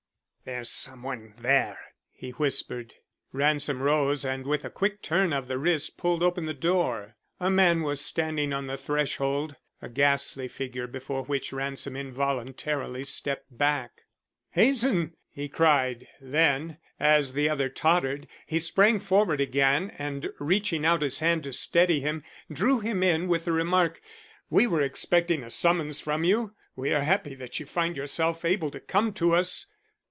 "There's some one there," he whispered. Ransom rose, and with a quick turn of the wrist pulled open the door. A man was standing on the threshold, a ghastly figure before which Ransom involuntarily stepped back. "Hazen!" he cried; then, as the other tottered, he sprang forward again and, reaching out his hand to steady him, drew him in with the remark, "We were expecting a summons from you. We are happy that you find yourself able to come to us."